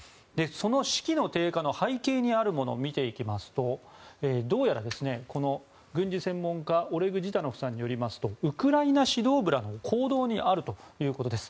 その士気の低下の背景にあるものを見ていきますとどうやら軍事専門家のオレグ・ジダノフさんによりますとウクライナ指導部らの行動にあるということです。